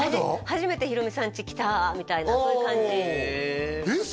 初めてヒロミさんち来たみたいなそういう感じえっ？